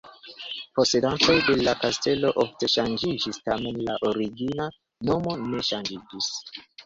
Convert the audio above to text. Posedantoj de la kastelo ofte ŝanĝiĝis, tamen la origina nomo ne ŝanĝiĝis.